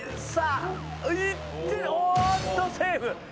おっとセーフ。